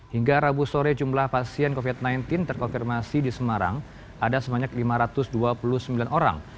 hingga rabu sore jumlah pasien covid sembilan belas terkonfirmasi di semarang ada sebanyak lima ratus dua puluh sembilan orang